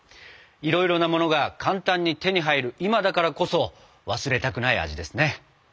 いろいろなものが簡単に手に入る今だからこそ忘れたくない味ですね！